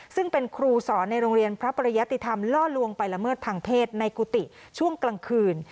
ซึ่งเป็นครูสอนในโรงเรียนพระปริยติธรรมล่อลวงไปละเมิดทางเพศในกุฏิช่วงกลางคืน